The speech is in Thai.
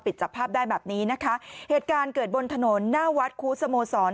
จับภาพได้แบบนี้นะคะเหตุการณ์เกิดบนถนนหน้าวัดครูสโมสร